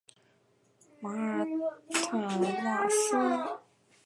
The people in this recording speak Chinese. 马尔坦瓦斯。